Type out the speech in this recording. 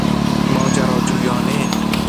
ماجراجویانه